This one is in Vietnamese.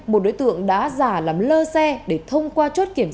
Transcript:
một đối tượng đã giả lắm lơ xe để thông qua chốt kiểm soát